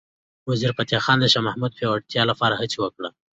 وزیرفتح خان د شاه محمود د پیاوړتیا لپاره هڅه وکړه.